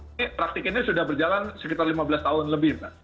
ini praktik ini sudah berjalan sekitar lima belas tahun lebih mbak